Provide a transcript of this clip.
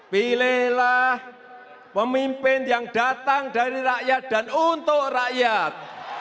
pilihlah pemimpin yang datang dari rakyat dan untuk rakyat